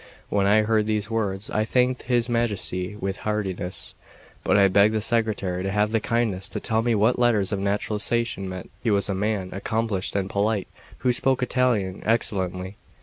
When I heard these words, I thanked his Majesty with heartiness; but I begged the secretary to have the kindness to tell me what letters of naturalisation meant. He was a man accomplished and polite, who spoke Italian excellently.